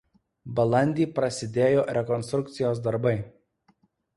Balandį prasidėjo rekonstrukcijos darbai.